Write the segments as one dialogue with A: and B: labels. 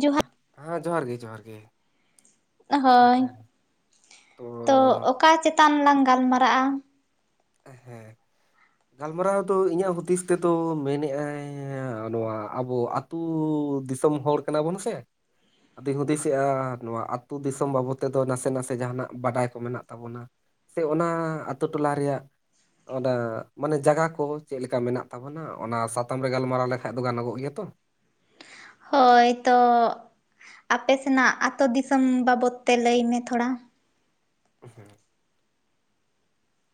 A: ᱡᱚᱦᱟᱨ
B: ᱦᱮᱸ ᱡᱚᱦᱟᱨ ᱜᱮ ᱡᱚᱦᱟᱨ ᱜᱮ
A: ᱦᱳᱭ
B: ᱦᱮᱸ
A: ᱛᱚ ᱚᱠᱟ ᱪᱮᱛᱟᱱ ᱞᱟᱝ ᱜᱟᱞᱢᱟᱨᱟᱜᱼᱟ
B: ᱦᱮᱸ ᱜᱟᱞᱢᱟᱨᱟᱣ ᱫᱚ ᱤᱧᱟᱹᱜ ᱦᱩᱫᱤᱥ ᱛᱮᱫᱚ ᱢᱮᱱ ᱮᱫᱟᱭ ᱱᱚᱣᱟ ᱟᱵᱚ ᱟ ᱟᱹᱛᱩ ᱫᱤᱥᱚᱢ ᱦᱚᱲ ᱠᱟᱱᱟᱵᱚᱱ ᱥᱮ ᱟᱫᱚᱧ ᱦᱩᱫᱤᱥᱮᱜᱼᱟ ᱱᱚᱣᱟ ᱟᱹᱛᱩ ᱫᱤᱥᱚᱢ ᱵᱟᱵᱚᱫ ᱛᱮᱫᱚ ᱱᱟᱥᱮ ᱱᱟᱥᱮ ᱡᱟᱦᱟᱸᱱᱟᱜ ᱵᱟᱰᱟᱭ ᱠᱚ ᱢᱮᱱᱟᱜ ᱛᱟᱵᱚᱱᱟ ᱥᱮ ᱚᱱᱟ ᱟᱛᱳ ᱴᱚᱞᱟ ᱨᱮᱭᱟᱜ ᱚᱱᱟ ᱢᱟᱱᱮ ᱡᱟᱭᱜᱟ ᱠᱚ ᱪᱮᱫᱞᱠᱟ ᱢᱮᱱᱟᱜ ᱛᱟᱵᱚᱱᱟ ᱚᱱᱟ ᱥᱟᱛᱟᱢ ᱨᱮ ᱜᱟᱞᱢᱟᱨᱟᱣ ᱞᱮᱠᱷᱟᱡ ᱫᱚ ᱜᱟᱱᱚᱜᱚᱜ ᱜᱮᱭᱟ ᱛᱚ
A: ᱦᱳᱭ ᱛᱚ ᱟᱯᱮ ᱥᱮᱱᱟᱜ ᱟᱛᱳ ᱫᱤᱥᱚᱢ ᱵᱟᱵᱚᱛ ᱛᱮ ᱞᱟᱹᱭᱢ ᱛᱷᱚᱲᱟ
B: ᱦ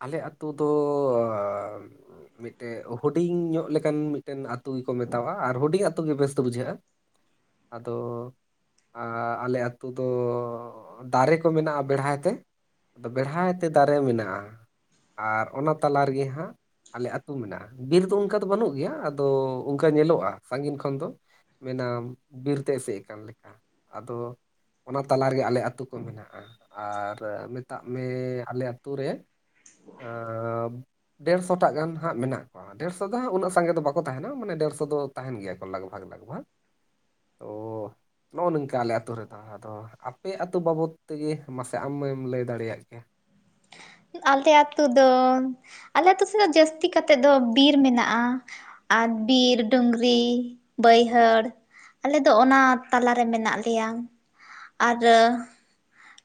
B: ᱟᱞᱮ ᱟᱹᱛᱳ ᱫᱚᱻ ᱢᱤᱫᱴᱮᱱ ᱦᱩᱰᱤᱧ ᱧᱚᱜ ᱞᱮᱠᱟᱱ ᱢᱤᱫᱴᱮᱱ ᱟ ᱟᱹᱛᱩ ᱜᱮᱠᱚ ᱢᱮᱛᱟᱜᱼᱟ ᱟᱨ ᱦᱩᱰᱤᱧ ᱟᱛᱩ ᱜᱮ ᱵᱮᱥ ᱫᱚ ᱵᱩᱡᱷᱟᱹᱜᱼᱟ ᱟᱫᱚ ᱟᱨ ᱟᱞᱮ ᱟᱹᱛᱩ ᱫᱚ ᱫᱟᱨᱮ ᱠᱚ ᱢᱮᱱᱟᱜᱼᱟ ᱵᱮᱲᱦᱟᱭ ᱛᱮ ᱟᱫᱚ ᱵᱮᱲᱦᱟᱭ ᱛᱮ ᱫᱟᱨᱮ ᱢᱮᱱᱟᱜᱼᱟ ᱟᱨ ᱚᱱᱟ ᱛᱟᱞᱟ ᱨᱮᱜᱮ ᱦᱟᱸᱜ ᱟᱞᱮ ᱟᱹᱛᱩ ᱢᱮᱱᱟᱜᱼᱟ ᱵᱤᱨ ᱫᱚ ᱚᱱᱠᱟ ᱫᱚ ᱵᱟᱹᱱᱩᱜ ᱜᱮᱭᱟ ᱟᱫᱚ ᱚᱱᱠᱟ ᱧᱮᱞᱚᱜᱼᱟ ᱥᱟᱺᱜᱤᱧ ᱠᱷᱚᱱ ᱫᱚ ᱢᱮᱱᱟᱢ ᱵᱤᱨ ᱛᱮ ᱮᱥᱮᱫ ᱟᱠᱟᱱ ᱞᱮᱠᱟ ᱟᱫᱚ ᱚᱱᱟ ᱛᱟᱞᱟ ᱨᱮᱜᱮ ᱟᱞᱮ ᱟᱹᱛᱳ ᱠᱚ ᱢᱮᱱᱟᱜᱼᱟ ᱟᱨ ᱢᱮᱛᱟᱜ ᱢᱮ ᱟᱞᱮ ᱟᱹᱛᱳ ᱨᱮ ᱟᱻ ᱰᱮᱲᱥᱚᱴᱟ ᱜᱟᱱ ᱦᱟᱸᱜ ᱢᱮᱱᱟᱜ ᱠᱚᱣᱟ ᱰᱮᱲᱥᱚ ᱫᱚ ᱩᱱᱟᱹᱜ ᱥᱟᱸᱜᱮ ᱫᱚ ᱵᱟᱠᱚ ᱛᱟᱦᱮᱱᱟ ᱢᱟᱱᱮ ᱰᱮᱲᱥᱚ ᱫᱚ ᱛᱟᱦᱮᱱ ᱜᱮᱭᱟ ᱠᱚ ᱞᱟᱜᱽ ᱵᱷᱟᱜᱽ ᱞᱟᱜᱽ ᱵᱷᱟᱜᱽ ᱛᱚ ᱱᱚᱜᱚ ᱱᱚᱝᱠᱟ ᱟᱞᱮ ᱟ. ᱛᱩ ᱨᱮ ᱫᱚ ᱟᱫᱚ ᱟᱯᱮᱭᱜᱟ ᱟᱹᱛᱩ ᱵᱟᱵᱚᱫ ᱛᱮᱜᱮ ᱢᱟᱥᱮ ᱟᱢᱮᱢ ᱞᱟᱹᱭ ᱫᱟᱲᱮᱭᱟᱜ ᱠᱮᱭᱟ
A: ᱟᱞᱮ ᱟ ᱟᱹᱛᱩ ᱫᱚ ᱟᱞᱮ ᱟᱹᱛᱩ ᱥᱮᱫ ᱫᱚ ᱡᱟᱹᱥᱛᱤ ᱠᱟᱛᱮᱫ ᱫᱚ ᱵᱤᱨ ᱢᱮᱱᱟᱜᱼᱟ ᱟᱨ ᱵᱤᱨ ᱰᱩᱝᱨᱤ ᱵᱟᱹᱭᱦᱟᱹᱲ ᱟᱞᱮ ᱫᱚ ᱚᱱᱟ ᱛᱟᱞᱟᱨᱮ ᱢᱮᱱᱟᱜ ᱞᱮᱭᱟ ᱟᱨ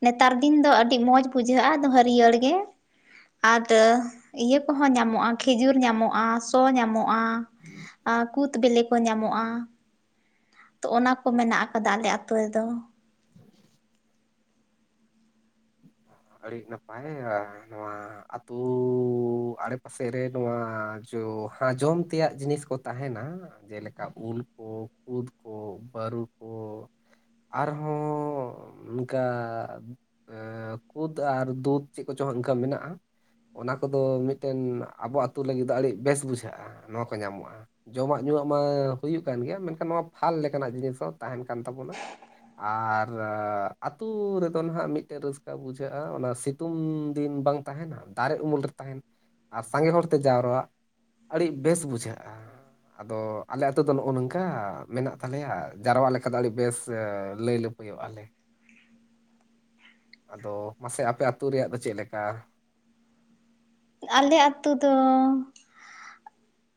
A: ᱱᱮᱛᱟᱨ ᱫᱤᱱ ᱫᱚ ᱟᱹᱰᱤ ᱢᱚᱸᱡᱽ ᱵᱩᱡᱷᱟᱹᱜᱼᱟ ᱟᱫᱚ ᱦᱟᱹᱨᱭᱟᱹᱲ ᱜᱮ ᱟᱫ ᱤᱭᱟᱹ ᱠᱚᱦᱚᱸ ᱧᱟᱢᱚᱜᱼᱟ ᱠᱷᱮᱡᱩᱨ ᱧᱟᱢᱚᱜᱼᱟ ᱥᱚ ᱧᱟᱢᱚᱜᱼᱟ ᱟᱨ ᱠᱩᱫ ᱵᱤᱞᱤ ᱠᱚ ᱧᱟᱢᱚᱜᱼᱟ ᱛᱚ ᱚᱱᱟ ᱠᱚ ᱢᱮᱱᱟᱜ ᱟᱠᱟᱫᱟ ᱟᱞᱮ ᱟᱛᱳ ᱨᱮᱫᱚ
B: ᱟᱹᱰᱤ ᱱᱟᱯᱟᱭ [unintelligible] ᱱᱚᱣᱟ ᱟᱹᱛᱩ ᱟᱲᱮᱯᱟᱥᱮ ᱨᱮ ᱱᱚᱣᱟ ᱡᱚ ᱡᱚᱢ ᱛᱮᱭᱟᱜ ᱡᱤᱱᱤᱥ ᱠᱚ ᱛᱟᱦᱮᱱᱟ ᱡᱮᱞᱮᱠᱟ ᱩᱞ ᱠᱚ ᱠᱩᱫᱽ ᱠᱚ ᱵᱟᱹᱨᱩ ᱠᱚ ᱟᱨᱦᱚᱸ ᱚᱱᱠᱟ ᱠᱩᱫᱽ ᱟᱨ ᱫᱩᱫᱷ ᱪᱮᱫ ᱠᱚᱪᱚᱝ ᱤᱱᱠᱟᱹ ᱢᱮᱱᱟᱜᱼᱟ ᱚᱱᱟ ᱠᱚᱫᱚ ᱢᱤᱫᱴᱮᱱ ᱟᱵᱚ ᱟᱛᱳ ᱞᱟᱹᱜᱤᱫ ᱫᱚ ᱟᱹᱰᱤ ᱵᱮᱥ ᱵᱩᱡᱷᱟᱹᱜᱼᱟ ᱱᱚᱣᱟ ᱠᱚ ᱧᱟᱢᱚᱜᱼᱟ ᱡᱚᱢᱟᱜ ᱧᱩᱣᱟᱜ ᱢᱟ ᱦᱩᱭᱩᱜ ᱠᱟᱱ ᱜᱮᱭᱟ ᱢᱮᱱᱠᱷᱟᱱ ᱱᱚᱣᱟ ᱯᱷᱟᱞ ᱞᱮᱠᱟᱱᱟᱜ ᱡᱤᱱᱤᱥ ᱦᱚᱸ ᱛᱟᱦᱮᱱ ᱠᱟᱱ ᱛᱟᱵᱚᱱᱟ ᱟᱨ ᱟᱹᱛᱩ‌ ᱨᱮᱫᱚ ᱱᱟᱦᱟᱜ ᱢᱤᱫ [unintelligible] ᱨᱟᱹᱥᱠᱟᱹ ᱵᱩᱡᱷᱟᱹᱜᱼᱟ ᱚᱱᱟ ᱥᱤᱛᱩᱝ ᱫᱤᱱ ᱵᱟᱝ ᱛᱟᱦᱮᱱᱟ ᱫᱟᱨᱮ ᱩᱢᱩᱞ ᱨᱮ ᱛᱟᱦᱮᱱ ᱟᱨ ᱥᱟᱸᱜᱮ ᱦᱚᱲᱛᱮ ᱡᱟᱣᱨᱣᱟᱜ ᱟᱹᱰᱤ ᱵᱮᱥ ᱵᱩᱡᱷᱟᱹᱜᱼᱟ ᱟᱫᱚ ᱟᱞᱮ ᱟᱹᱛᱳ ᱫᱚ ᱱᱚᱜᱼᱚ ᱱᱚᱝᱠᱟ ᱢᱮᱱᱟᱜ ᱛᱟᱞᱮᱭᱟ ᱡᱟᱨᱣᱟ ᱞᱮᱠᱟ ᱫᱚ ᱟᱹᱰᱤ ᱵᱮᱥ ᱞᱟᱹᱭ ᱞᱟᱹ ᱦᱩᱭᱩᱜ ᱟᱞᱮ ᱟᱫᱚ ᱢᱟᱥᱮ ᱟᱯᱮ ᱟᱹᱛᱩ ᱨᱮᱭᱟᱜ ᱫᱚ ᱪᱮᱫ ᱞᱮᱠᱟ
A: ᱟᱞᱮ ᱟᱛᱳ ᱫᱚ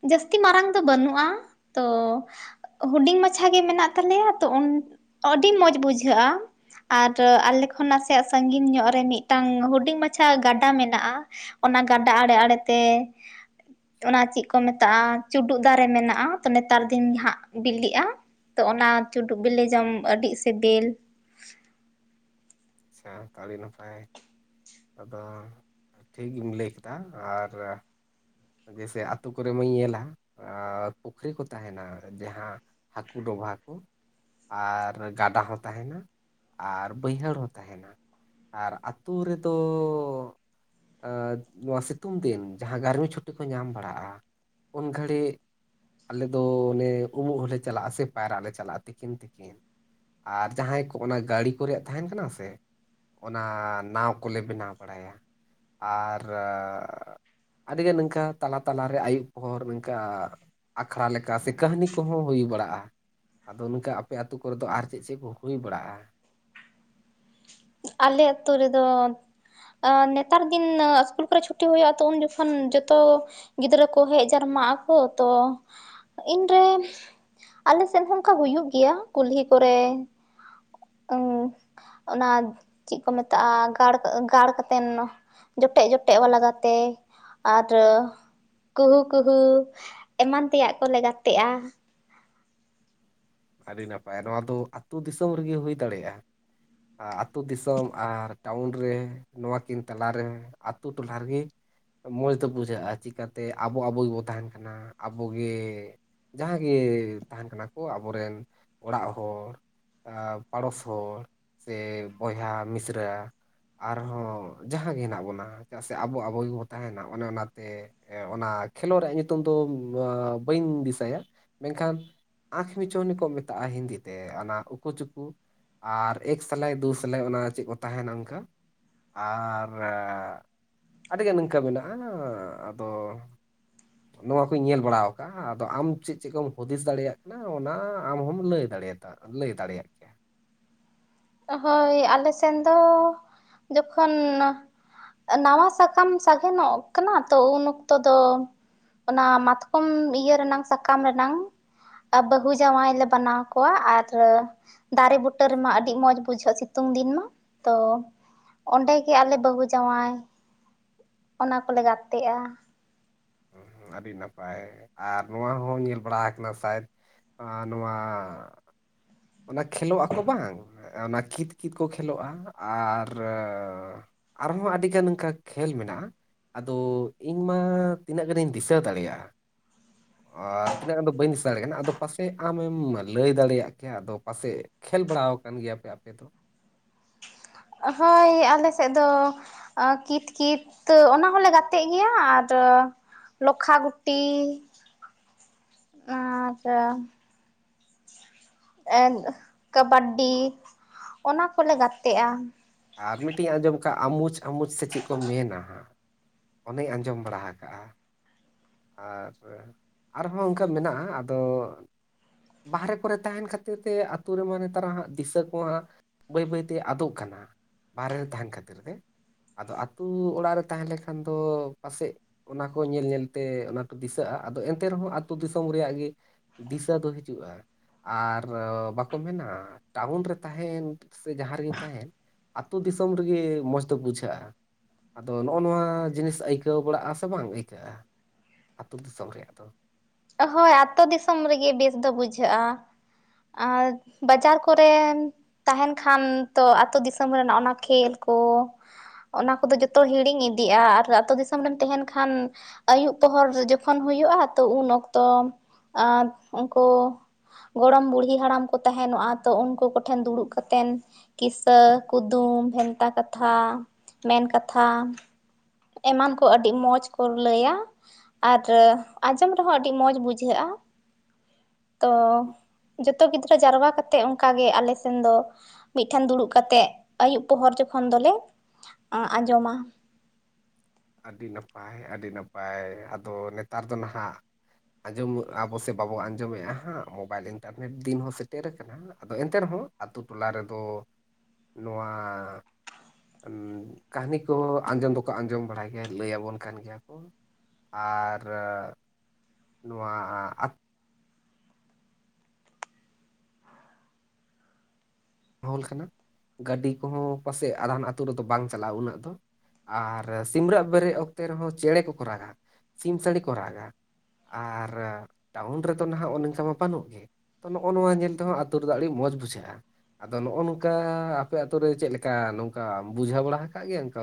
A: ᱡᱟᱹᱥᱛᱤ ᱢᱟᱨᱟᱝ ᱫᱚ ᱵᱟᱹᱱᱩᱜᱼᱟ ᱛᱚ ᱦᱩᱰᱤᱧ ᱢᱟᱪᱷᱟ ᱜᱮ ᱢᱮᱱᱟᱜ ᱛᱟᱞᱮᱭᱟ ᱛᱚ ᱩᱱ ᱟᱹᱰᱤ ᱢᱚᱸᱡᱽ ᱵᱩᱡᱷᱟᱹᱜᱼᱟ ᱟᱨ ᱟᱞᱮ ᱠᱷᱚᱱ ᱱᱟᱥᱮᱭᱟᱜ ᱥᱟᱺᱜᱤᱧ ᱧᱚᱜ ᱨᱮ ᱢᱤᱫᱴᱟᱝ ᱦᱩᱰᱤᱧ ᱢᱟᱪᱷᱟ ᱜᱟᱰᱟ ᱢᱮᱱᱟᱜᱼᱟ ᱚᱱᱟ ᱜᱟᱰᱟ ᱟᱲᱮ ᱟᱲᱮᱛᱮ ᱚᱱᱟ ᱪᱮᱫ ᱠᱚ ᱢᱮᱛᱟᱜᱼᱟ ᱪᱩᱰᱩᱜ ᱫᱟᱨᱮ ᱢᱮᱱᱟᱜᱼᱟ ᱛᱚ ᱱᱮᱛᱟᱨ ᱫᱤᱱ ᱦᱟᱸᱜ ᱵᱤᱞᱤᱜᱼᱟ ᱛᱚ ᱚᱱᱟ ᱪᱩᱰᱩᱜ ᱵᱤᱞᱤ ᱡᱚᱢ ᱟᱹᱰᱤ ᱥᱤᱵᱤᱞ
B: ᱟᱪᱪᱷᱟ ᱛᱚ ᱟᱹᱰᱤ ᱱᱟᱯᱟᱭ ᱟᱫᱚ ᱴᱷᱤᱠᱮᱢ ᱞᱟᱹᱭ ᱠᱮᱫᱟ ᱟᱨ ᱡᱮᱭᱥᱮ ᱟᱹᱛᱩ ᱠᱚᱨᱮ ᱮᱢ ᱧᱮᱞᱟ ᱯᱩᱠᱷᱨᱤ ᱠᱚ ᱛᱟᱦᱮᱱᱟ ᱡᱟᱦᱟᱸ ᱦᱟᱹᱠᱩ ᱰᱚᱵᱷᱟ ᱠᱚ ᱟᱨ ᱜᱟᱰᱟ ᱦᱚᱸ ᱛᱟᱦᱮᱱᱟ ᱟᱨ ᱵᱟᱹᱭᱦᱟᱹᱲ ᱦᱚᱸ ᱛᱟᱦᱮᱱᱟ ᱟᱨ ᱟᱹᱛᱩᱳ ᱨᱮᱫᱚ ᱟᱸᱻ ᱱᱚᱣᱟ ᱥᱤᱛᱩᱝ ᱫᱤᱱ ᱡᱟᱦᱟᱸ ᱜᱟᱨᱢᱤ ᱪᱷᱩᱴᱤ ᱴᱤ ᱠᱚ ᱧᱟᱢ ᱵᱟᱲᱟᱜᱼᱟ ᱩᱱ ᱜᱷᱟᱹᱲᱤᱡ ᱟᱞᱮ ᱫᱚ ᱚᱱᱮ ᱩᱢᱩᱜ ᱦᱚᱞᱮ ᱪᱟᱞᱟᱜᱼᱟ ᱥᱮ ᱯᱟᱭᱨᱟᱜ ᱞᱮ ᱪᱟᱞᱟᱜᱼᱟ ᱛᱤᱠᱤᱱ ᱛᱤᱠᱤᱱ ᱟᱨ ᱡᱟᱦᱟᱸᱭ ᱠᱚ ᱚᱱᱟ ᱜᱟᱹᱲᱤ ᱠᱚᱨᱮ ᱛᱟᱦᱮᱱ ᱠᱟᱱᱟ ᱥᱮ ᱚᱱᱟ ᱱᱟᱣ ᱠᱚᱞᱮ ᱵᱮᱱᱟᱣ ᱵᱟᱲᱟᱭᱟ ᱟᱨᱻ ᱟᱹᱰᱤᱜᱟᱱ ᱱᱤᱝᱠᱟᱹ ᱛᱟᱞᱟ ᱛᱟᱞᱟᱨᱮ ᱟᱹᱭᱩᱵ ᱯᱟᱦᱚᱨ ᱱᱚᱝᱠᱟ ᱟᱠᱷᱲᱟ ᱞᱮᱠᱟ ᱥᱮ ᱠᱟᱹᱦᱱᱤ ᱠᱚᱦᱚᱸ ᱦᱩᱭ ᱵᱟᱲᱟᱜᱼᱟ᱾ ᱟᱫᱚ ᱱᱝᱠᱟ ᱟᱯᱮ ᱟᱛᱩ ᱠᱚᱨᱮᱫ ᱫᱚ ᱟᱨ ᱪᱮᱫ ᱪᱮᱫ ᱠᱚ ᱦᱩᱭ ᱵᱟᱲᱟᱜᱼᱟ?
A: ᱟᱞᱮ ᱟᱹᱛᱩ ᱨᱮᱫᱚ ᱱᱮᱛᱟᱨ ᱫᱤᱱ ᱤᱥᱠᱩᱞ ᱠᱚᱨᱮ ᱪᱷᱩᱴᱤ ᱦᱩᱭᱩᱜᱼᱟ ᱛᱚ ᱩᱱ ᱡᱚᱠᱷᱚᱱ ᱡᱚᱛᱚ ᱜᱤᱫᱽᱨᱟᱹ ᱠᱚ ᱦᱮᱡ ᱡᱟᱨᱢᱟᱜ ᱟᱠᱚ ᱛᱚ ᱤᱱᱨᱮᱱ ᱟᱞᱮ ᱥᱮᱫ ᱦᱚᱸ ᱚᱱᱠᱟ ᱦᱩᱭᱩᱜ ᱜᱮᱭᱟ ᱠᱩᱞᱦᱤ ᱠᱚᱨᱮ ᱩᱸ ᱚᱱᱟ ᱪᱮᱫ ᱠᱚ ᱢᱮᱛᱟᱜᱼᱟ, ᱜᱟᱲ ᱜᱟᱲ ᱠᱟᱛᱮᱫ ᱡᱚᱴᱮᱫ ᱡᱚᱴᱮᱫ ᱞᱟᱜᱟ ᱜᱟᱛᱮ ᱟᱨ ᱠᱩᱦᱩ ᱠᱩᱦᱩ ᱮᱢᱟᱱ ᱛᱮᱭᱟᱜ ᱠᱚᱞᱮ ᱜᱟᱛᱮᱜᱼᱟ᱾
B: ᱟᱹᱰᱤ ᱱᱟᱯᱟᱭ ᱱᱚᱣᱟ ᱫᱚ ᱟᱹᱛᱩ ᱫᱤᱥᱚᱢ ᱨᱮᱜᱮ ᱦᱩᱭ ᱫᱟᱲᱮᱭᱟᱜᱼᱟ᱾ ᱟᱛᱩ ᱫᱤᱥᱚᱢ ᱟᱨ ᱴᱟᱣᱩᱱ ᱨᱮ ᱱᱚᱣᱟ ᱠᱤᱱ ᱛᱟᱞᱟᱨᱮ᱾ ᱟᱛᱳ ᱴᱚᱞᱟ ᱨᱮᱜᱮ ᱢᱚᱸᱡᱽ ᱫᱚ ᱵᱩᱡᱷᱟᱹᱜᱼᱟ ᱪᱤᱠᱟᱛᱮ ᱟᱵᱚ ᱟᱵᱚ ᱜᱮᱵᱚᱱ ᱛᱟᱦᱮᱸᱱ ᱠᱟᱱᱟ ᱟᱵᱚᱜᱮ ᱡᱟᱦᱟᱸᱜᱮ ᱛᱟᱦᱮᱸᱱ ᱠᱟᱱᱟ ᱠᱚ ᱟᱵᱚᱨᱮᱱ ᱚᱲᱟᱜ ᱦᱚᱲ᱾ ᱯᱟᱲᱚᱥ ᱦᱚᱲ ᱥᱮ ᱵᱚᱭᱦᱟ ᱢᱤᱥᱨᱟ, ᱟᱨᱦᱚᱸ ᱡᱟᱦᱟᱸᱜᱮ ᱦᱮᱱᱟᱜ ᱵᱚᱱᱟ ᱪᱮᱫᱟᱜ ᱥᱮ ᱟᱵᱚ ᱟᱵᱚ ᱜᱮᱵᱚᱱ ᱛᱟᱦᱮᱸᱱᱟ ᱚᱱᱮ ᱚᱱᱟᱛᱮ ᱮᱸ ᱚᱱᱟ ᱠᱷᱮᱞᱳᱰᱟᱜ ᱧᱩᱛᱩᱢ ᱫᱚ ᱵᱟᱹᱧ ᱫᱤᱥᱟᱭᱟ, ᱢᱮᱱᱠᱷᱟᱱ ᱟᱸᱠᱷ ᱢᱤᱪᱚᱱᱤ ᱠᱚ ᱢᱮᱛᱟᱜᱼᱟ ᱦᱤᱱᱫᱤᱛᱮ ᱚᱱᱟ ᱩᱠᱩᱼᱪᱩᱠᱩ᱾ ᱟᱨ ᱮᱠ ᱥᱮᱞᱟᱭ ᱫᱳ ᱥᱮᱞᱟᱭ ᱚᱱᱟ ᱪᱮᱫ ᱠᱚ ᱛᱟᱦᱮᱸᱱᱟ ᱚᱱᱠᱟ᱾ ᱟᱨ ᱟᱹᱰᱤᱜᱟᱱ ᱱᱤᱝᱠᱟᱹ ᱢᱮᱱᱟᱜᱼᱟ, ᱟᱫᱚ ᱱᱚᱣᱟ ᱠᱩᱧ ᱧᱮᱞ ᱵᱟᱲᱟᱣ ᱠᱟᱫᱟ ᱟᱫᱚ ᱟᱢ ᱪᱮᱫ ᱪᱮᱫ ᱠᱚᱢ ᱦᱩᱫᱤᱥ ᱫᱟᱲᱮᱭᱟᱜ ᱠᱟᱱᱟ? ᱚᱱᱟ ᱟᱢ ᱦᱚᱢ ᱞᱟᱹᱭ ᱫᱟᱲᱮᱭᱟ ᱞᱟᱹᱭ ᱫᱟᱲᱮᱭᱟᱜ ᱠᱮᱭᱟ᱾
A: ᱦᱳᱭ ᱟᱞᱮ ᱥᱮᱱ ᱫᱚ ᱡᱚᱠᱷᱚᱱ ᱱᱟᱣᱟ ᱥᱟᱠᱟᱢ ᱥᱟᱜᱮᱱᱚᱜ ᱠᱟᱱᱟ ᱛᱚ ᱩᱱ ᱚᱠᱛᱚ ᱫᱚ, ᱚᱱᱟ ᱢᱟᱛᱠᱚᱢ ᱤᱭᱟᱹ ᱨᱮᱱᱟᱝ ᱥᱟᱠᱟᱢ ᱨᱮᱱᱟᱝ ᱵᱟᱹᱦᱩ ᱡᱟᱶᱟᱭ ᱞᱮ ᱵᱟᱱᱟᱣ ᱠᱚᱣᱟ ᱟᱨ ᱫᱟᱨᱮ ᱵᱩᱴᱟᱹ ᱨᱮᱢᱟ ᱟᱹᱰᱤ ᱟᱹᱰᱤ ᱢᱚᱸᱡᱽ ᱵᱩᱡᱷᱟᱹᱜᱼᱟ ᱥᱤᱛᱩᱝ ᱫᱤᱱ ᱢᱟ ᱛᱚ ᱚᱸᱰᱮ ᱜᱮ ᱟᱞᱮ ᱵᱟᱹᱦᱩ ᱡᱟᱶᱟᱭ ᱚᱱᱟ ᱠᱚᱞᱮ ᱜᱟᱛᱮᱜᱼᱟ᱾
B: ᱟᱹᱰᱤ ᱱᱟᱯᱟᱭ ᱟᱨ ᱱᱚᱣᱟ ᱦᱚᱸ ᱧᱮᱞ ᱵᱟᱲᱟ ᱠᱟᱱᱟ ᱥᱟᱭ ᱟᱸ ᱱᱚᱣᱟ ᱚᱱᱟ ᱠᱷᱮᱞᱚᱜ ᱟᱠᱚ ᱵᱟᱝ ᱚᱱᱟ ᱠᱤᱛ ᱠᱤᱛ ᱠᱚ ᱠᱷᱮᱞᱚᱜᱼᱟ ᱟᱨ ᱟᱨᱦᱚᱸ ᱟᱹᱰᱤᱜᱟᱱ ᱚᱱᱠᱟ ᱠᱷᱮᱞ ᱢᱮᱱᱟᱜᱼᱟ᱾ ᱟᱫᱚ ᱤᱧ ᱢᱟ ᱛᱤᱱᱟᱹᱜ ᱜᱟᱱᱤᱧ ᱫᱤᱥᱟᱹ ᱫᱟᱲᱮᱭᱟᱜᱼᱟ᱾ ᱟᱨ ᱛᱤᱱᱟᱹᱜ ᱜᱟᱱ ᱫᱚ ᱵᱟᱹᱧ ᱫᱤᱥᱟᱹ ᱫᱟᱲᱮᱭᱟᱜ ᱠᱟᱱᱟ ᱟᱫᱚ ᱯᱟᱥᱮᱡ ᱟᱢᱮᱢ ᱞᱟᱹᱭ ᱫᱟᱲᱮᱭᱟᱜ᱾ ᱠᱮᱭᱟ ᱟᱫᱚ ᱯᱟᱥᱮᱡ ᱠᱷᱮᱞ ᱵᱟᱲᱟ ᱟᱠᱟᱱ ᱜᱮᱭᱟᱯᱮ ᱟᱯᱮ ᱫᱚ᱾
A: ᱦᱳᱭ ᱟᱞᱮ ᱥᱮᱫ ᱫᱚ, ᱟᱸ ᱠᱤᱛ ᱠᱤᱛ ᱚᱱᱟ ᱦᱚᱸᱞᱮ ᱜᱟᱛᱮᱜ ᱜᱮᱭᱟ ᱟᱨ ᱞᱳᱠᱠᱷᱟ ᱜᱩᱴᱤ ᱟᱨ ᱮᱸ ᱠᱟᱵᱟᱰᱤ ᱚᱱᱟ ᱠᱚᱞᱮ ᱜᱟᱛᱮᱜᱼᱟ᱾
B: ᱟᱨ ᱢᱤᱫᱴᱤᱡ ᱤᱧ ᱟᱸᱡᱚᱢ ᱟᱠᱟᱫᱼᱟ ᱟᱢᱩᱪ ᱟᱢᱩᱪ ᱥᱮ ᱪᱮᱫ ᱠᱚ ᱢᱮᱱᱟ᱾ ᱚᱱᱮᱧ ᱟᱸᱡᱚᱢ ᱵᱟᱲᱟ ᱟᱠᱟᱜᱼᱟ᱾ ᱟᱨ ᱟᱨᱦᱚᱸ ᱚᱱᱠᱟ ᱢᱮᱱᱟᱜᱼᱟ ᱟᱫᱚ, ᱵᱟᱦᱨᱮ ᱠᱚᱨᱮ ᱛᱟᱦᱮᱸᱱ ᱠᱷᱟᱹᱛᱤᱨ ᱛᱮ ᱟᱛᱳ ᱨᱮᱢᱟ ᱱᱮᱛᱟᱨ ᱦᱟᱸᱜ ᱫᱤᱥᱟᱹ ᱠᱚ ᱦᱟᱸᱜ᱾ ᱵᱟᱹᱭ ᱵᱟᱹᱭᱛᱮ ᱟᱫᱚᱜ ᱠᱟᱱᱟ ᱵᱟᱦᱨᱮ ᱨᱮ ᱛᱟᱦᱮᱸᱱ ᱠᱷᱟᱹᱛᱤᱨ ᱛᱮ᱾ ᱟᱫᱚ ᱟᱛᱳ ᱚᱲᱟᱜ ᱨᱮ ᱛᱟᱦᱮᱸ ᱞᱮᱠᱷᱟᱱ ᱫᱚ ᱯᱟᱥᱮᱡ ᱚᱱᱟ ᱠᱚ ᱧᱮᱞ ᱧᱮᱞ ᱛᱮ ᱚᱱᱟ ᱠᱚ ᱫᱤᱥᱟᱹᱜᱼᱟ ᱟᱫᱚ ᱮᱱᱛᱮ ᱨᱮᱦᱚᱸ ᱟᱛᱳ ᱫᱤᱥᱚᱢ ᱨᱮᱭᱟᱜ ᱜᱮ ᱫᱤᱥᱟᱹ ᱫᱚ ᱦᱤᱡᱩᱜᱼᱟ᱾ ᱟᱨ ᱵᱟᱠᱚ ᱢᱮᱱᱟ ᱴᱟᱣᱩᱱ ᱨᱮ ᱛᱟᱦᱮᱸᱱ ᱥᱮ ᱡᱟᱦᱟᱸ ᱨᱮᱜᱮ ᱛᱟᱦᱮᱸᱱ᱾ ᱟᱛᱳ ᱫᱤᱥᱚᱢ ᱨᱮᱜᱮ ᱢᱚᱡᱽ ᱫᱚ ᱵᱩᱡᱷᱟᱹᱜᱼᱟ᱾ ᱟᱫᱚ ᱱᱚᱜᱼᱚ ᱱᱚᱣᱟ ᱡᱤᱱᱤᱥ ᱟᱹᱭᱠᱟᱹᱣ ᱵᱟᱲᱟᱜᱼᱟ ᱥᱮ ᱵᱟᱝ ᱟᱹᱭᱠᱟᱹᱜᱼᱟ? ᱟᱛᱳ ᱫᱤᱥᱚᱢ ᱨᱮᱭᱟᱜ ᱫᱚ
A: ᱦᱳᱭ ᱟᱛᱳ ᱫᱤᱥᱚᱢ ᱨᱮᱜᱮ ᱵᱮᱥ ᱫᱚ ᱵᱩᱡᱷᱟᱹᱜᱼᱟ᱾ ᱟᱨ ᱵᱟᱡᱟᱨ ᱠᱚᱨᱮᱱ ᱛᱟᱦᱮᱸᱱ ᱠᱷᱟᱱ ᱛᱚ ᱟᱛᱳ ᱫᱤᱥᱚᱢ ᱨᱮᱱᱟᱜ ᱚᱱᱟ ᱠᱷᱮᱞ ᱠᱚ, ᱚᱱᱟ ᱠᱚᱫᱚ ᱡᱚᱛᱚ ᱦᱤᱲᱤᱧ ᱤᱫᱤᱜᱼᱟ ᱟᱨ ᱟᱛᱳ ᱫᱤᱥᱚᱢ ᱨᱮᱢ ᱛᱟᱦᱮᱸᱱ ᱠᱷᱟᱱ ᱟᱹᱭᱩᱵ ᱯᱚᱦᱚᱨ ᱡᱚᱠᱷᱚᱱ ᱦᱩᱭᱩᱜᱼᱟ ᱛᱚ ᱩᱱ ᱚᱠᱛᱚ ᱩᱱᱠᱩ ᱜᱚᱲᱚᱢ ᱵᱩᱲᱦᱤ ᱦᱟᱲᱟᱢ ᱠᱚ ᱛᱟᱦᱮᱸᱱᱚᱜᱼᱟ ᱛᱚ ᱩᱱᱠᱩ ᱠᱚᱴᱷᱮᱱ ᱫᱩᱲᱩᱵ ᱠᱟ ᱠᱟᱛᱮᱱ ᱠᱤᱥᱟᱹ, ᱠᱩᱫᱩᱢ, ᱵᱷᱮᱱᱛᱟ, ᱠᱟᱛᱷᱟ ᱢᱮᱱᱠᱟᱛᱷᱟ, ᱮᱢᱟᱱ ᱠᱚ ᱟᱹᱰᱤ ᱢᱚᱸᱡᱽ ᱠᱚ ᱞᱟᱹᱭᱟ ᱟᱨ ᱟᱸᱡᱚᱢ ᱨᱮᱦᱚᱸ ᱟᱹᱰᱤ ᱟᱹᱰᱤ ᱢᱚᱸᱡᱽ ᱵᱩᱡᱷᱟᱹᱜᱼᱟ᱾ ᱛᱚ ᱡᱚᱛᱚ ᱜᱤᱫᱽᱨᱟᱹ ᱡᱟᱣᱨᱟ ᱠᱟᱛᱮᱜ ᱚᱱᱠᱟᱜᱮ ᱟᱞᱮ ᱥᱮᱱ ᱫᱚ᱾ ᱢᱤᱫ ᱴᱷᱮᱱ ᱫᱩᱲᱩᱵ ᱠᱟᱛᱮᱜ ᱟᱹᱭᱩᱵ ᱯᱚᱦᱚᱨ ᱡᱚᱠᱷᱚᱱ ᱫᱚᱞᱮ ᱟᱸᱡᱚᱢᱟ᱾
B: ᱟᱹᱰᱤ ᱱᱟᱯᱟᱭ ᱟᱹᱰᱤ ᱱᱟᱯᱟᱭ ᱟᱫᱚ ᱱᱮᱛᱟᱨ ᱫᱚ ᱱᱟᱦᱟᱜ ᱟᱸᱡᱚᱢ ᱟᱵᱚ ᱥᱮ ᱵᱟᱵᱚ ᱟᱸᱡᱚᱢᱮᱜ-ᱟ ᱦᱟᱸᱜ ᱢᱳᱵᱟᱭᱤᱞ ᱤᱱᱴᱟᱨᱱᱮᱴ ᱫᱤᱱ ᱦᱚᱸ ᱥᱮᱴᱮᱨ ᱟᱠᱟᱱᱟ᱾ ᱟᱫᱚ ᱮᱱᱛᱮ ᱨᱮᱦᱚᱸ ᱟᱛᱳ ᱴᱚᱞᱟ ᱨᱮᱫᱚ ᱱᱚᱣᱟ ᱠᱟᱹᱦᱱᱤ ᱠᱚ ᱟᱸᱡᱚᱢ ᱫᱚᱠᱚ ᱟᱸᱡᱚᱢ ᱵᱟᱲᱟᱭ ᱜᱮ ᱞᱟᱹᱭ ᱟᱵᱚᱱ ᱠᱟᱱ ᱜᱮᱭᱟ ᱠᱚ, ᱟᱨ ᱱᱚᱣᱟ ᱟᱛ ᱦᱳᱞ ᱠᱟᱱᱟ, ᱜᱟᱹᱰᱤ ᱠᱚᱦᱚᱸ ᱯᱟᱥᱮᱡ ᱟᱫᱷᱟᱱ ᱟᱛᱳ ᱨᱮᱫᱚ ᱵᱟᱝ ᱪᱟᱞᱟᱜ-ᱟ ᱩᱱᱟᱹᱜ ᱫᱚ, ᱟᱨ ᱥᱤᱢᱨᱟᱜ ᱵᱮᱨᱮᱫ ᱚᱠᱛᱮ ᱨᱮᱦᱚᱸ ᱪᱮᱬᱮ ᱠᱚᱠᱚ ᱨᱟᱜᱟ, ᱥᱤᱢ ᱥᱟᱺᱰᱤ ᱠᱚ ᱨᱟᱜᱟ, ᱟᱨ ᱴᱟᱣᱩᱱ ᱨᱮᱫᱚ ᱱᱟᱦᱟᱜ ᱚᱱᱠᱟ ᱢᱟ ᱵᱟᱹᱱᱩᱜ ᱜᱮ, ᱛᱚ ᱱᱚᱜᱼᱚ ᱱᱚᱣᱟ ᱧᱮᱞ ᱛᱮᱦᱚᱸ ᱟᱛᱳ ᱨᱮᱫᱚ ᱟᱹᱰᱤ ᱢᱚᱸᱡᱽ ᱵᱩᱡᱷᱟᱹᱜᱼᱟ᱾ ᱟᱫᱚ ᱱᱚᱜᱼᱚ ᱱᱚᱝᱠᱟ ᱟᱯᱮ ᱟᱛᱳ ᱨᱮ ᱪᱮᱫᱞᱮᱠᱟ ᱱᱚᱝᱠᱟᱢ ᱵᱩᱡᱷᱟᱹᱣ ᱵᱟᱲᱟ ᱟᱠᱟᱫ ᱜᱮᱭᱟᱢ ᱠᱚ᱾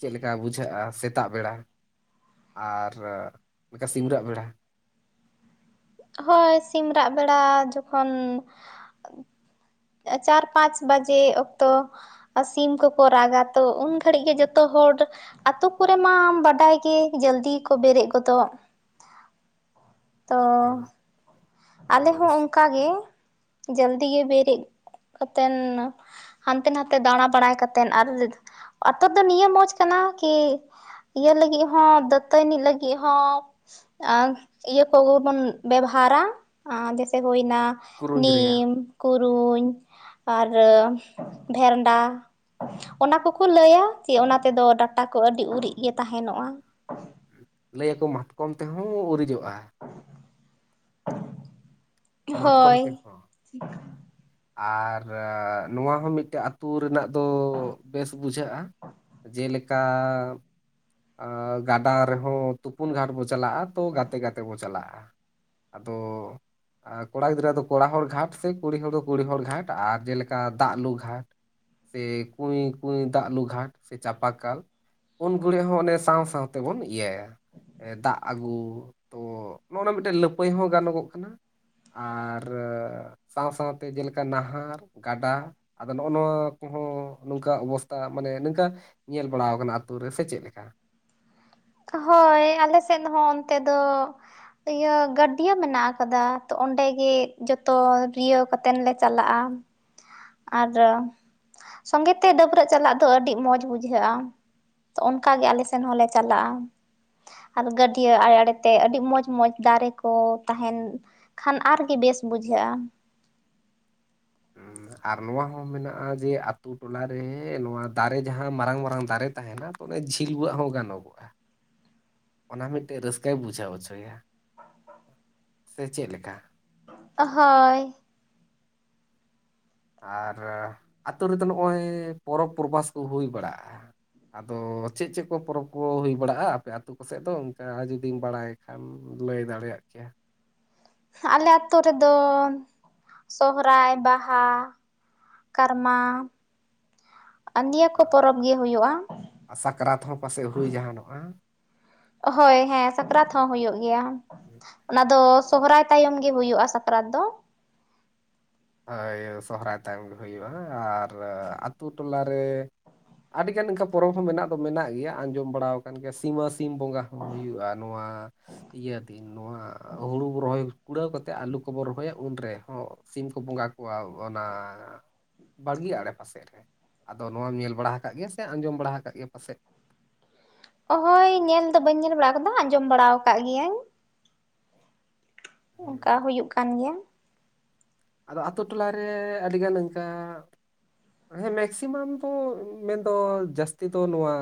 B: ᱪᱮᱫ ᱞᱮᱠᱟ ᱵᱩᱡᱷᱟᱹᱜ-ᱟ ᱥᱮᱛᱟᱜ ᱵᱮᱲᱟ, ᱟᱨ ᱥᱤᱢᱨᱟᱹᱜ ᱵᱮᱲᱟ᱾
A: ᱦᱳᱭ ᱥᱤᱢ ᱨᱟᱜ ᱵᱮᱲᱟ ᱡᱚᱠᱷᱚᱱ ᱪᱟᱨ ᱯᱟᱸᱪ ᱵᱟᱡᱮ ᱚᱠᱛᱚ ᱥᱤᱢ ᱠᱚᱠᱚ ᱨᱟᱜᱟ ᱛᱚ ᱩᱱ ᱜᱷᱟᱹᱲᱤᱡ ᱜᱮ ᱡᱚᱛᱚ ᱦᱚᱲ ᱟᱛᱳ ᱠᱚᱨᱮ ᱢᱟ ᱵᱟᱰᱟᱭ ᱜᱮ ᱡᱟᱹᱞᱫᱤ ᱠᱚ ᱵᱮᱨᱮᱫ ᱜᱚᱫᱚᱜ ᱛᱚᱻ ᱟᱞᱮ ᱦᱚᱸ ᱚᱱᱠᱟ ᱜᱮ ᱡᱟᱹᱞᱫᱤ ᱜᱮ ᱵᱮᱨᱮᱫ ᱠᱟᱛᱮᱱ ᱦᱟᱱᱛᱮ ᱱᱟᱛᱮ ᱫᱟᱬᱟ ᱵᱟᱲᱟᱭ ᱠᱟᱛᱮ ᱟᱨ ᱟᱛᱳ ᱫᱚ ᱱᱤᱭᱟᱹ ᱢᱚᱡᱽ ᱠᱟᱱᱟ ᱠᱤ ᱤᱭᱟᱹ ᱞᱟᱹᱜᱤᱫ ᱦᱚᱸ ᱫᱟᱹᱛᱟᱹᱱᱤ ᱞᱟᱹᱜᱤᱫ ᱦᱚᱸ, ᱟᱝ ᱤᱭᱟᱹ ᱠᱚ ᱵᱚᱱ ᱵᱮᱵᱷᱟᱨᱟ᱾ ᱟᱨ ᱡᱮᱭᱥᱮ ᱦᱩᱭᱱᱟ
B: ᱠᱩᱨᱩᱧ ᱨᱮᱭᱟᱜ
A: ᱱᱤᱢ ᱠᱩᱨᱩᱧ ᱟᱨ ᱵᱷᱮᱨᱱᱰᱟ᱾ ᱚᱱᱟ ᱠᱚᱠᱚ ᱞᱟᱹᱭᱟ ᱡᱮ ᱚᱱᱟ ᱛᱮᱫᱚ ᱰᱟᱴᱟ ᱠᱚ ᱟᱹᱰᱤ ᱩᱨᱤᱡ ᱜᱮ ᱛᱟᱦᱮᱱᱚᱜ-ᱟ᱾
B: ᱞᱟᱹᱭ ᱟᱠᱚ ᱢᱟᱛᱠᱚᱢ ᱛᱮᱦᱚᱸ ᱩᱨᱤᱡᱚᱜ-ᱟ᱾
A: [unintelligible]
B: ᱢᱟᱛᱠᱚᱢ
A: ᱦᱳᱭ
B: ᱛᱮ ᱦᱚ, ᱟᱨ ᱱᱚᱣᱟ ᱦᱚᱸ ᱢᱤᱫᱴᱮᱡ ᱟᱛᱩ ᱨᱮᱱᱟᱜ ᱫᱚ ᱵᱮᱥ ᱵᱩᱡᱷᱟᱹᱜ-ᱟ, ᱡᱮᱞᱮᱠᱟ ᱟᱹ ᱜᱟᱰᱟ ᱨᱮᱦᱚᱸ ᱛᱩᱯᱩᱱ ᱜᱷᱟᱴ ᱵᱚ ᱪᱟᱞᱟᱜ-ᱟ ᱛᱚ ᱜᱟᱛᱮ ᱜᱟᱛᱮ ᱵᱚ ᱪᱟᱞᱟᱜ-ᱟ᱾ ᱟᱫᱚ ᱠᱚᱲᱟ ᱜᱤᱫᱽᱨᱟᱹ ᱫᱚ ᱠᱚᱲᱟ ᱦᱚᱲ ᱜᱷᱟᱴ ᱥᱮ ᱠᱩᱲᱤ ᱦᱚᱲ ᱫᱚ ᱠᱩᱲᱤ ᱦᱚᱲ ᱜᱷᱟᱴ ᱟᱨ ᱡᱮᱞᱮᱠᱟ ᱫᱟᱜ ᱞᱩ ᱜᱷᱟᱴ᱾ ᱥᱮ ᱠᱩᱭ ᱠᱩᱭ ᱫᱟᱜ ᱞᱩ ᱜᱷᱟᱴ ᱥᱮ ᱪᱟᱯᱟ ᱠᱟᱞ᱾ ᱩᱱ ᱜᱷᱩᱲᱤᱜ ᱦᱚᱸ ᱚᱱᱮ ᱥᱟᱶ ᱥᱟᱶ ᱛᱮᱵᱚᱱ ᱤᱭᱟᱹᱭᱟ᱾ ᱫᱟᱜ ᱟᱜᱩ ᱛᱚ ᱱᱚᱜ-ᱚ ᱱᱚᱣᱟ ᱢᱤᱫᱴᱮᱱ ᱞᱟᱹᱯᱟᱹᱭ ᱦᱚᱸ ᱜᱟᱱᱚᱜᱚᱜ ᱠᱟᱱᱟ᱾ ᱟᱨ ᱨᱟᱹ ᱥᱟᱶ ᱥᱟᱶ ᱛᱮ ᱡᱮᱞᱮᱠᱟ ᱱᱟᱦᱟᱨ ᱜᱟᱰᱟ ᱟᱫᱚ ᱱᱚᱜ ᱱᱚᱣᱟ ᱠᱚᱦᱚᱸ ᱱᱚᱝᱠᱟ ᱚᱵᱚᱥᱛᱷᱟ ᱢᱟᱱᱮ ᱱᱤᱝᱠᱟ ᱧᱮᱞ ᱵᱟᱲᱟᱣ ᱠᱟᱱᱟ ᱟᱛᱩ ᱨᱮ ᱥᱮ ᱪᱮᱫ ᱞᱮᱠᱟ?
A: ᱦᱚᱭ ᱟᱞᱮ ᱥᱮᱫ ᱦᱚᱸ ᱚᱱᱛᱮ ᱫᱚ ᱤᱭᱟᱹ ᱜᱟᱹᱰᱭᱟᱹ ᱢᱮᱱᱟᱜ ᱟᱠᱟᱫᱟ ᱛᱚ ᱚᱸᱰᱮ ᱜᱮ ᱡᱚᱛᱚ ᱨᱤᱭᱟᱹᱣ ᱠᱟ ᱛᱮᱱ ᱞᱮ ᱪᱟᱞᱟᱜ-ᱟ, ᱟᱫᱚ ᱥᱚᱸᱜᱮ ᱛᱮ ᱰᱟᱹᱵᱽᱨᱟᱹᱜ ᱪᱟᱞᱟᱜ ᱫᱚ ᱟᱹᱰᱤ ᱢᱚᱡᱽ ᱵᱩᱡᱷᱟᱹᱜ-ᱟ᱾ ᱛᱚ ᱚᱱᱠᱟ ᱜᱮ ᱟᱞᱮ ᱥᱮᱱ ᱦᱚᱸ ᱞᱮ ᱪᱟᱞᱟᱜ-ᱟ᱾ ᱟᱨ ᱜᱟᱹᱰᱭᱟᱹ ᱟᱲᱮ ᱟᱲᱮ ᱛᱮ ᱟᱹᱰᱤ ᱢᱚᱡᱽ ᱢᱚᱸᱡᱽ ᱫᱟᱨᱮ ᱠᱚ ᱛᱟᱦᱮᱱ ᱠᱷᱟᱱ ᱟᱨ ᱜᱮ ᱵᱮᱥ ᱵᱩᱡᱷᱟᱹᱜ-ᱟ᱾
B: [unintelligible] ᱟᱨ ᱱᱚᱣᱟ ᱦᱚᱸ ᱢᱮᱱᱟᱜ-ᱟ ᱡᱮ ᱟᱛᱳ ᱴᱚᱞᱟ ᱨᱮ ᱱᱚᱣᱟ ᱫᱟᱨᱮ ᱡᱟᱦᱟᱸ ᱢᱟᱨᱟᱝ ᱢᱟᱨᱟᱝ ᱫᱟᱨᱮ ᱛᱟᱦᱮᱱᱟ ᱩᱱᱟᱹᱜ ᱡᱷᱤᱞᱣᱟᱹᱜ ᱦᱚᱸ ᱜᱟᱱᱚᱜᱚᱜ᱾
A: [inaudible]
B: ᱚᱱᱟ ᱢᱤᱫᱴᱮᱡ ᱨᱟᱹᱥᱠᱟᱹᱭ ᱵᱩᱡᱷᱟᱹᱣ ᱦᱚᱪᱚᱭᱮᱭᱟ ᱥᱮ ᱪᱮᱫᱞᱮᱠᱟ?
A: ᱦᱳᱭ,
B: ᱟᱨ ᱟᱹᱛᱩᱳ ᱨᱮᱫᱚ ᱱᱚᱜᱼᱚᱭ ᱯᱚᱨᱚᱵᱽ ᱯᱚᱨᱵᱷᱟᱥ ᱠᱚ ᱦᱩᱭ ᱵᱟᱲᱟᱜᱼᱟ? ᱟᱫᱚ ᱪᱮᱫ ᱪᱮᱫ ᱠᱚ ᱯᱚᱨᱚᱵᱽ ᱠᱚ ᱦᱩᱭ ᱵᱟᱲᱟᱜᱼᱟ ᱟᱯᱮ ᱟᱛᱳ ᱠᱚ ᱥᱮᱫ ᱫᱚ ᱚᱱᱠᱟ ᱡᱩᱫᱤᱢ ᱵᱟᱲᱟᱭ? ᱠᱷᱢ [unintelligible] ᱞᱟᱹᱭ ᱫᱟᱲᱮᱭᱟᱜ ᱠᱮᱭᱟ᱾
A: ᱟᱞᱮᱛᱳ ᱨᱮᱫᱚ, ᱥᱚᱦᱚᱨᱟᱭ ᱵᱟᱦᱟ ᱠᱟᱨᱢᱟ, ᱱᱤᱭᱟᱹ ᱠᱚ ᱯᱚᱨᱚᱵᱽ ᱜᱮ ᱦᱩᱭᱩᱜᱼᱟ᱾᱾
B: ᱟᱨ ᱥᱟᱠᱨᱟᱛ ᱦᱚᱸ ᱯᱟᱥᱮᱡ ᱦᱩᱭ ᱡᱟᱦᱟᱱᱚᱜᱼᱟ?
A: ᱦᱳᱭ ᱦᱮᱸ ᱥᱟᱠᱨᱟᱛ ᱦᱚᱸ ᱦᱩᱭᱩᱜ ᱜᱮᱭᱟ᱾ ᱚᱱᱟ ᱫᱚ, ᱥᱚᱦᱨᱟᱭ ᱛᱟᱭᱚᱢ ᱜᱮ ᱦᱩᱭᱩᱜᱼᱟ ᱥᱟᱠᱨᱟᱛ ᱫᱚ᱾
B: ᱦᱳᱭ ᱥᱚᱦᱨᱟᱭ ᱛᱟᱭᱚᱢ ᱦᱩᱭᱩᱜ-ᱟ ᱟᱨ ᱟᱛᱳ ᱴᱚᱞᱟ ᱨᱮ᱾ ᱟᱹᱰᱤ ᱜᱟᱱ ᱮᱱᱠᱟ ᱯᱚᱨᱚᱵᱽ ᱦᱚᱸ ᱢᱮᱱᱟᱜ ᱫᱚ ᱢᱮᱱᱟᱜ ᱜᱮᱭᱟ ᱟᱸᱡᱚᱢ ᱵᱟᱲᱟᱣ ᱠᱟᱱ ᱜᱮᱭᱟ ᱥᱤᱢᱥ ᱾ ᱥᱤᱢ ᱵᱚᱸᱜᱟ ᱦᱚᱸ ᱦᱩᱭᱩᱜᱼᱟ ᱱᱚᱣᱟ ᱤᱭᱟᱹ ᱫᱤᱱ ᱱᱚᱣᱟ ᱦᱩᱲᱩ ᱨᱚᱦᱚᱭ ᱠᱩᱲᱟᱹᱣ ᱠᱟᱛᱮᱫ ᱟᱹᱞᱩ ᱠᱚᱵᱚᱱ ᱨᱚᱦᱚᱭᱟ ᱩᱱ ᱨᱮᱦᱚᱸ ᱥᱤᱢ ᱠᱚ ᱵᱚᱸᱜᱟ ᱠᱚᱣᱟ᱾ ᱚᱱᱟ ᱵᱟᱲᱜᱮᱟᱜᱲᱮ ᱯᱟᱥᱮᱡ ᱨᱮ ᱟᱫᱚ ᱱᱚᱣᱟᱢ ᱧᱮᱞ ᱵᱟᱲᱟ ᱟᱠᱟᱫ ᱜᱮᱭᱟ ᱥᱮ ᱟᱸᱡᱚᱢ ᱵᱟᱲᱟ ᱟᱠᱟᱫ ᱜᱮᱭᱟ ᱯᱟᱥᱮᱫ᱾
A: ᱚᱦᱭ ᱧᱮᱞ ᱫᱚ ᱵᱟᱹᱧ ᱧᱮᱞ ᱵᱟᱲᱟ ᱟᱠᱟᱫᱟ ᱟᱸᱡᱚᱢ ᱵᱟᱲᱟ ᱟᱠᱟᱫ ᱜᱮᱤᱭᱟᱹᱟᱹᱧ᱾ ᱚᱱᱠᱟ ᱦᱩᱭᱩᱜᱭ ᱠᱟᱱ ᱜᱮᱭᱟ᱾
B: ᱟᱫᱚ ᱟᱛᱳ ᱴᱚᱞᱟᱨᱮ ᱟᱹᱰᱤᱜᱟᱱ ᱚᱱᱠᱟ ᱦᱮᱸ ᱢᱮᱠᱥᱤᱢᱟᱢ ᱫᱚ ᱢᱮᱱᱫᱚ ᱡᱟᱹᱥᱛᱤ ᱫᱚ ᱱᱚᱣᱟ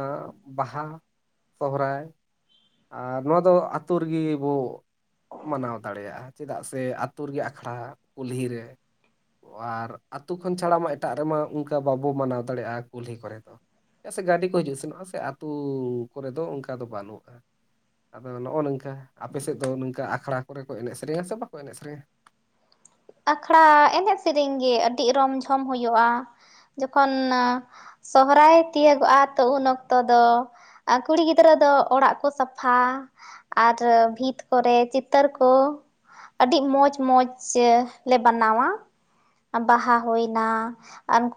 B: ᱵᱟᱦᱟ ᱥᱚᱦᱚᱨᱟᱭ, ᱟᱨ ᱱᱚᱣᱟ ᱫᱚ ᱟ ᱟᱹᱛᱩᱳ ᱨᱮᱜᱮ ᱵᱚ ᱢᱟᱱᱟᱣ ᱫᱟᱲᱮᱭᱟᱜᱼᱟ, ᱪᱮᱫᱟᱜ ᱥᱮ ᱟᱹᱛᱩᱳ ᱨᱮᱜᱮ ᱟᱠᱷᱲᱟ ᱠᱩᱞᱦᱤᱮ ᱟᱨ ᱟᱛᱳ ᱠᱷᱚᱱ ᱪᱷᱟᱲᱟ ᱢᱟ ᱮᱴᱟᱜ ᱨᱮᱢᱟ ᱚᱱᱠᱟ ᱵᱟᱵᱚ ᱢᱟᱱᱟᱣ ᱫᱟᱲᱮᱭᱟᱜᱼᱟ ᱠᱩᱞᱦᱤ ᱠᱚᱨᱮ ᱫᱚ᱾ ᱪᱮᱫᱟᱜ ᱥᱮ ᱜᱟᱹᱰᱤ ᱠᱚ ᱦᱤᱡᱩᱜ ᱥᱮᱱᱚᱜᱼᱟ ᱥᱮ ᱟᱹᱛᱩ ᱠᱚᱨᱮ ᱫᱚ ᱚᱱᱠᱟ ᱫᱚ ᱵᱟᱹᱱᱩᱜᱼᱟ᱾ ᱟᱫᱚ ᱱᱚᱜᱼᱚ ᱱᱚᱝᱠᱟ ᱟᱯᱮ ᱥᱮᱫ ᱫᱚ ᱱᱚᱝᱠᱟ ᱟᱠᱷᱲᱟ ᱠᱚᱨᱮ ᱠᱚ ᱮᱱᱮᱡ ᱥᱮᱨᱮᱧᱟ ᱥᱮ ᱵᱟᱠᱚ ᱮᱱᱮᱡ ᱥᱮᱨᱮᱧᱟ?
A: ᱟᱠᱷᱲᱟ ᱮᱱᱮᱡ ᱥᱮᱨᱮᱧ ᱜᱮ, ᱟᱹᱰᱤ ᱨᱚᱢ ᱡᱷᱚᱢ ᱦᱩᱭᱩᱜᱼᱟ ᱡᱚᱠᱷᱚᱱ ᱥᱚᱦᱨᱟᱭ ᱛᱤᱭᱟᱹᱜᱚᱜᱼᱟ ᱛᱚ ᱩᱱ ᱚᱠᱛᱚ ᱫᱚ᱾ ᱟᱨ ᱠᱩᱲᱤ ᱜᱤᱫᱽᱨᱟᱹ ᱫᱚ ᱚᱲᱟᱜ ᱠᱚ ᱥᱟᱯᱷᱟ᱾ ᱟᱨ ᱵᱷᱤᱛ ᱠᱚᱨᱮ ᱪᱤᱛᱟᱹᱨ ᱠᱚ ᱟᱹᱰᱤ ᱢᱚᱸᱡᱽᱢᱚᱸᱡᱽ ᱥᱮ ᱞᱮ ᱵᱮᱟᱱᱟᱣᱟ ᱵᱟᱦᱟ ᱦᱩᱭᱱᱟ ᱟᱨᱠᱩ